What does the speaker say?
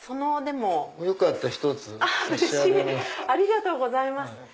ありがとうございます。